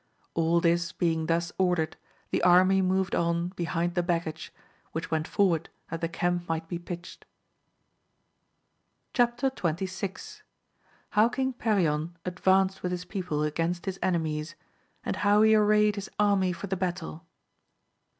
All this being thus ordered, the army moved on behind the baggage, which went forward that the camp might be pitched. Chap. XXVI. — ^How King Perion advanced with hia people against his enemies, and how he arrayed his army for the battle.